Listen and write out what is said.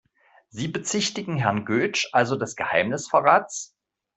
Sie bezichtigen Herrn Götsch also des Geheimnisverrats?